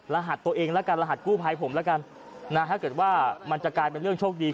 รหัสตัวเองแล้วกันรหัสกู้ภัยผมแล้วกันนะถ้าเกิดว่ามันจะกลายเป็นเรื่องโชคดี